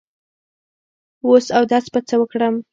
وس اودس په څۀ وکړم